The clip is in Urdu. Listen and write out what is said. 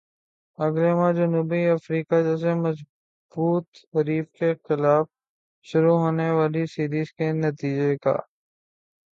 اگلے ماہ جنوبی افریقہ جیسے مضبوط حریف کے خلاف شروع ہونے والی سیریز کے نتیجے کا